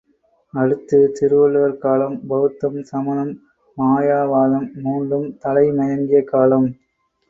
அடுத்து, திருவள்ளுவர்காலம் பெளத்தம், சமணம், மாயாவாதம் மூன்றும் தலைமயங்கிய காலம்.